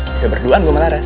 bisa berduaan gue menaras